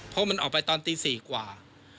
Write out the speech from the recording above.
เพราะมันออกไปตอนตี๔กว่า